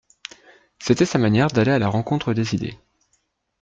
C'était sa manière d'aller à la rencontre des idées.